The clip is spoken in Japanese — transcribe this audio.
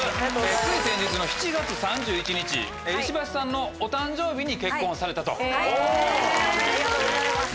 つい先日の７月３１日石橋さんのお誕生日に結婚されたということなんですって。